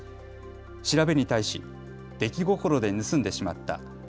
調べに対し出来心で盗んでしまった。